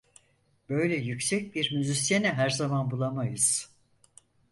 Böyle yüksek bir müzisyeni her zaman bulamayız!